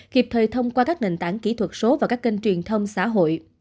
kịp thời thông qua các nền tảng kỹ thuật số và các kênh truyền thông xã hội